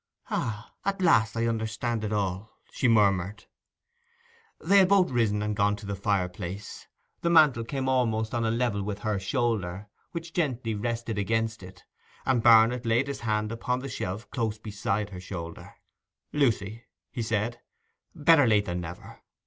'Ah, at last I understand it all,' she murmured. They had both risen and gone to the fireplace. The mantel came almost on a level with her shoulder, which gently rested against it, and Barnet laid his hand upon the shelf close beside her shoulder. 'Lucy,' he said, 'better late than never.